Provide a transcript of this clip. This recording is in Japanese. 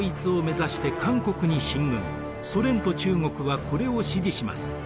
ソ連と中国はこれを支持します。